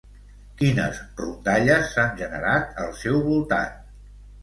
Quines rondalles s'han generat al seu voltant?